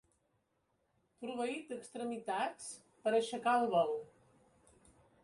Proveït d'extremitats per aixecar el vol.